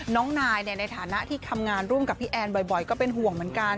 น้องนายในฐานะที่ทำงานร่วมกับพี่แอนบ่อยก็เป็นห่วงเหมือนกัน